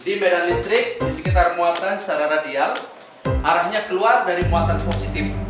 di beda listrik di sekitar muatan secara radial arahnya keluar dari muatan fungsi tim